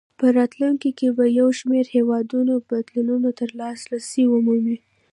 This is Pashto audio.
په راتلونکو کې به یو شمېر هېوادونه بدلونونو ته لاسرسی ومومي.